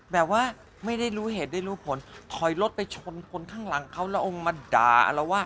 แบบว่าไม่ได้รู้เหตุไม่ได้รู้ผลถอยรถไปชนคนข้างหลังเขาแล้วมาดา